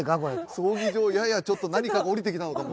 葬儀場ややちょっと何かが降りてきたのかも。